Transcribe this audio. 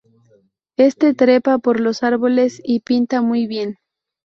Este trepa por los árboles y pinta muy bien.